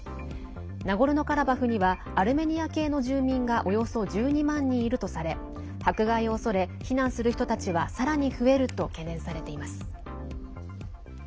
ナゴルノカラバフにはアルメニア系の住民がおよそ１２万人いるとされ迫害を恐れ、避難する人たちはさらに増えると懸念されています。